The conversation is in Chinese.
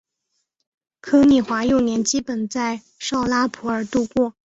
柯棣华幼年基本在绍拉普尔度过。